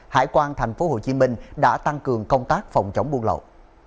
hải quan tp hcm đã tăng cường công tác phòng chống buôn lậu